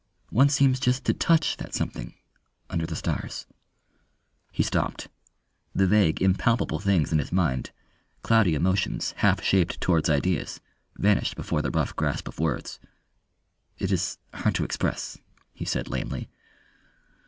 One seems just to touch that something under the stars...." He stopped. The vague, impalpable things in his mind, cloudy emotions half shaped towards ideas, vanished before the rough grasp of words. "It is hard to express," he said lamely.